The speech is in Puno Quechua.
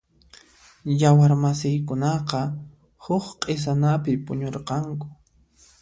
Yawar masiykunaqa huk q'isanapi puñurqanku.